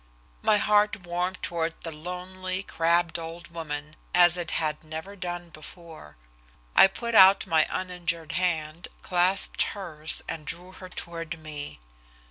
My heart warmed toward the lonely, crabbed old woman as it had never done before. I put out my uninjured hand, clasped hers, and drew her toward me.